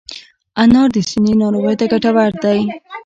انار د سینې ناروغیو ته ګټور دی.